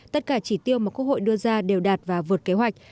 tất cả chỉ tiêu mà quốc hội đưa ra đều đạt và vượt kế hoạch